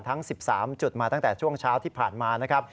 ทั้ง๑๓จุดมาตั้งแต่ช่วงเช้าที่ผ่านมานะครับ